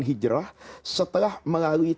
hijrah setelah melalui